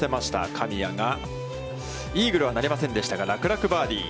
神谷が、イーグルはなりませんでしたが、楽々バーディー。